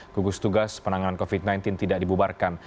gugus tugas penanganan covid sembilan belas tidak dibubarkan